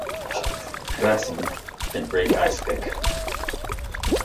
"Krasin" can break ice thick.